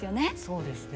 そうですね。